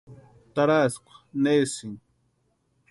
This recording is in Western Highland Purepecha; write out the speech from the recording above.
¿Tarhaskwa nesïni?